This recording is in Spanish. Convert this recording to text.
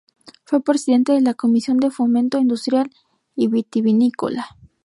Fue presidente de la Comisión de Fomento Industrial y Vitivinícola.